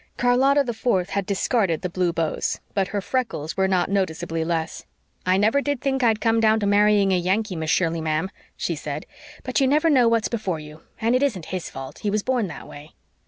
Charlotta the Fourth had discarded the blue bows but her freckles were not noticeably less. "I never did think I'd come down to marrying a Yankee, Miss Shirley, ma'am," she said. "But you never know what's before you, and it isn't his fault. He was born that way."